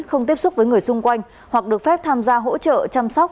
không tiếp xúc với người xung quanh hoặc được phép tham gia hỗ trợ chăm sóc